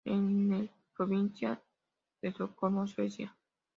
En el provincia de Estocolmo, Suecia.